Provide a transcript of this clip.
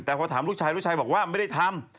แต่พอถามลูกชายลูกชายบอกว่าไม่ได้ทำ